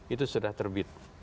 itu sudah terbit